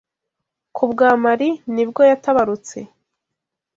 Ku bwa Mari nibwo yatabarutse